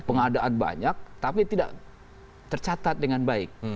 pengadaan banyak tapi tidak tercatat dengan baik